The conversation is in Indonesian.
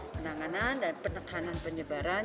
penanganan dan penekanan penyebaran